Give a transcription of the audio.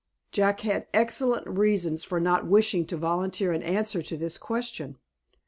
Jack had excellent reasons for not wishing to volunteer an answer to this question.